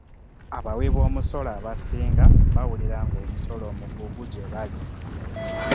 Abawiboomisolo abasinga bawulira ng'omusolo mugugu gye bali.